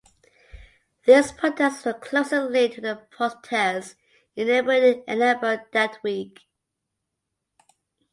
These protests were closely linked to the protests in neighboring Ann Arbor that week.